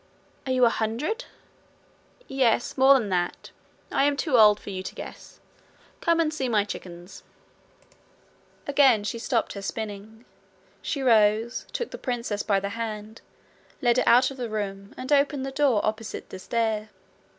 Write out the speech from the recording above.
'Are you a hundred?' 'Yes more than that. I am too old for you to guess. Come and see my chickens.' Again she stopped her spinning. She rose, took the princess by the hand, led her out of the room, and opened the door opposite the stair.